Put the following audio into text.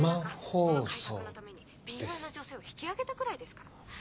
この改革のために敏腕の女性を引き上げたくらいですから。